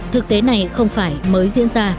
thực tế này không phải mới diễn ra